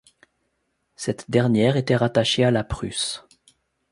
Cette dernière était rattachée à la Prusse.